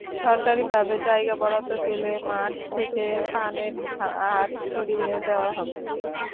সরকারিভাবে জায়গা বরাদ্দ পেলে মাঠ থেকে পানের হাট সরিয়ে নেওয়া হবে।